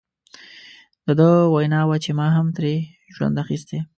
د ده وینا وه چې ما هم ترې ژوند اخیستی.